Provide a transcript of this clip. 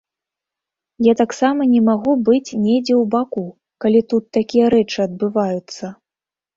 Я таксама не магу быць недзе ў баку, калі тут такія рэчы адбываюцца.